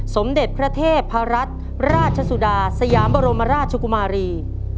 สมเด็จพระเทพรัชราชสุดาสยามบรมราชกุมารี